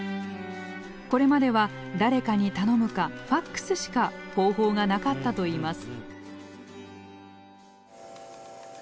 これまでは誰かに頼むかファックスしか方法がなかったといいます。